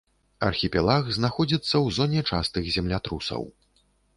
Архіпелаг знаходзіцца ў зоне частых землятрусаў.